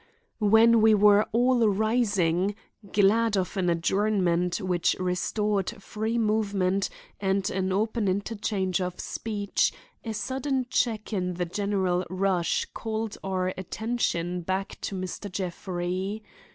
When we were all rising, glad of an adjournment which restored free movement and an open interchange of speech, a sudden check in the general rush called our attention back to Mr. Jeffrey.